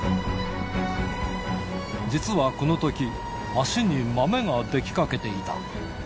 実はこのとき、足にまめが出来かけていた。